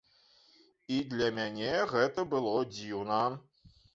І для мяне гэта было дзіўна.